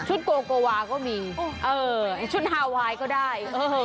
ชุดโกโกวาก็มีชุดฮาวายก็ได้